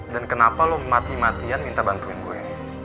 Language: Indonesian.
dan kenapa lo mati matian minta bantuin gue